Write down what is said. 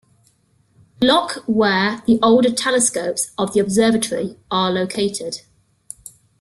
Locke where the older telescopes of the observatory are located.